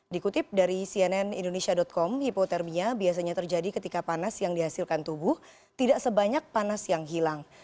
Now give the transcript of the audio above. dikutip dari cnn indonesia com hipotermia biasanya terjadi ketika panas yang dihasilkan tubuh tidak sebanyak panas yang hilang